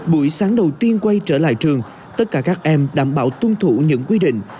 buổi sáng đầu tiên quay trở lại trường tất cả các em đảm bảo tuân thủ những quy định